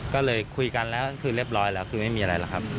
ก็เลยคุยกันแล้วคือเรียบร้อยแล้วคือไม่มีอะไรหรอกครับ